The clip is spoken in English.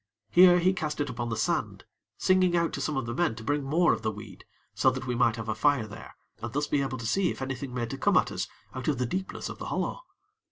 Here he cast it upon the sand, singing out to some of the men to bring more of the weed, so that we might have a fire there, and thus be able to see if anything made to come at us out of the deepness of the hollow.